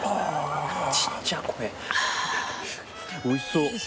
おいしそう。